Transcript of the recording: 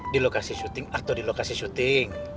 di lokasi syuting atau di lokasi syuting